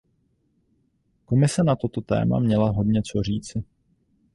Komise na toto téma měla hodně co říci.